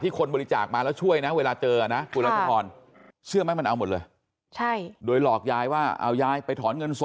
ที่คนบริจาคมาแล้วช่วยนะเวลาเจออ่ะนะภูรณภัณฑ์